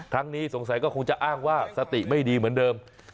นี้สงสัยก็คงจะอ้างว่าสติไม่ดีเหมือนเดิม